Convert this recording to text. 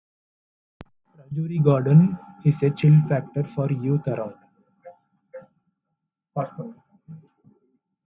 Rajouri Garden is a chill factor for youth around.